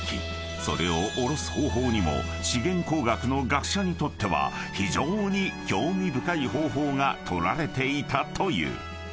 ［それを降ろす方法にも資源工学の学者にとっては非常に興味深い方法が取られていたという］